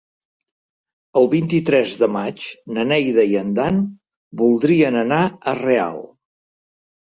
El vint-i-tres de maig na Neida i en Dan voldrien anar a Real.